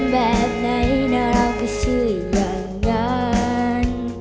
แบบไหนนะเราไม่ใช่อย่างนั้น